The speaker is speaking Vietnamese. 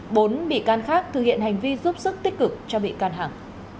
bốn bị can khác thực hiện hành vi giúp sức tích cực cho bị can hằng